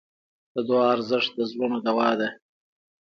د دعا ارزښت د زړونو دوا ده.